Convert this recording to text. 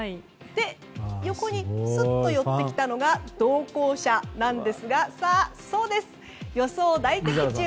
横にすっと寄ってきたのが同行者なんですがそうです、予想大的中。